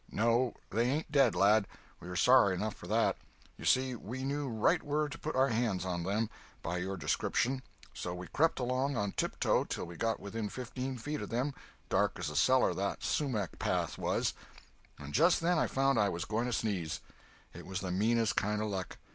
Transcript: No, they ain't dead, lad—we are sorry enough for that. You see we knew right where to put our hands on them, by your description; so we crept along on tiptoe till we got within fifteen feet of them—dark as a cellar that sumach path was—and just then I found I was going to sneeze. It was the meanest kind of luck!